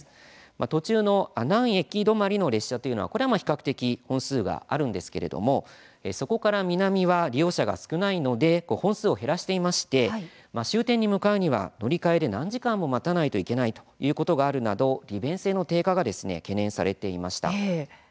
途中の阿南駅止まりの列車というのは比較的本数があるんですけれどもそこから南は利用者が少ないので本数を減らしていまして終点に向かうには乗り換えで何時間も待たないといけないということがあるなど利便性の低下が懸念されていました。